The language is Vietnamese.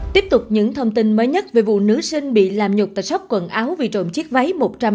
tiếp tục những thông tin mới nhất về vụ nữ sinh bị làm nhục tại sóc quần áo vì trộm chiếc váy một trăm sáu mươi